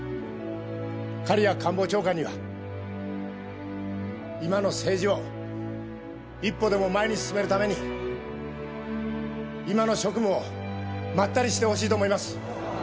狩屋官房長官には今の政治を一歩でも前に進めるために今の職務をまったりしてほしいと思います。